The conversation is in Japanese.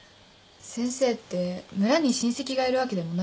先生って村に親戚がいるわけでもないしね。